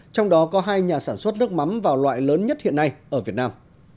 trong đó có hai nhà sản xuất nước mắm vào loại lớn nhất hiện nay ở việt nam